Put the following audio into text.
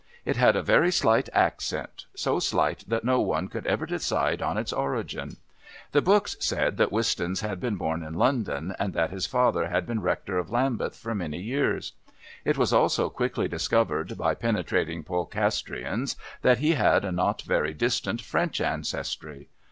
It had a very slight accent, so slight that no one could ever decide on its origin. The books said that Wistons had been born in London, and that his father had been Rector of Lambeth for many years; it was also quickly discovered by penetrating Polcastrians that he had a not very distant French ancestry.